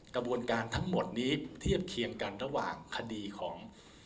กระบวนการทั้งหมดนี้เทียบเคียงกันระหว่างคดีของ